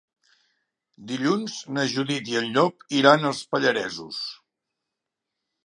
Dilluns na Judit i en Llop iran als Pallaresos.